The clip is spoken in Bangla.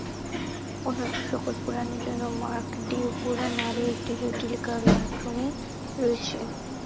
অন্যান্য সকল পুরাণের মতো "মার্কণ্ডেয় পুরাণ"-এরও একটি জটিল কালানুক্রম রয়েছে।